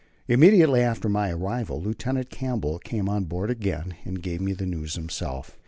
Immediately after my arrival Lieutenant Campbell came on board again and gave me the news himself.